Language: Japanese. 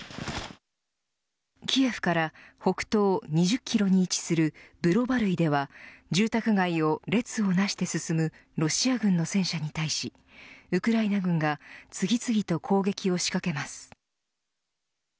キエフから北東に２０キロに位置するブロバルイでは住宅街を列をなして進むロシア軍の戦車に対しウクライナ軍が次々と攻撃を仕掛けます。